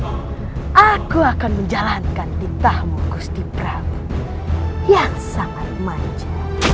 aku akan menjalankan titahmu gusti pramu yang sangat maju